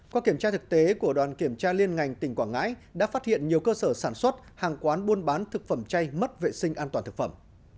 qua kiểm tra thực tế của đoàn kiểm tra liên ngành tỉnh quảng ngãi đã phát hiện nhiều cơ sở sản xuất hàng quán buôn bán thực phẩm chay mất vệ sinh an toàn thực phẩm